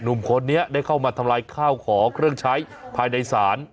หนุ่มคนนี้ได้เข้ามาทำลายข้าวของเครื่องใช้ภายในศาล